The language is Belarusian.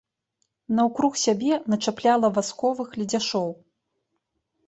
Наўкруг сябе начапляла васковых ледзяшоў.